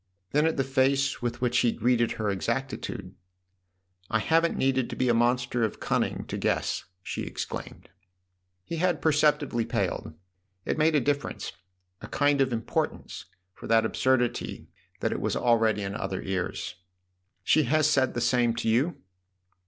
Then at the face with which he greeted her exactitude :" I haven't needed to be a monster of cunning to guess !" she exclaimed. He had perceptibly paled : it made a difference, a kind of importance for that absurdity that it was already in other ears. "She has said the same to you